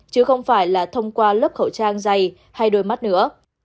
chứ không phải là thông qua lớp khẩu trang dày hay đôi mắt nữa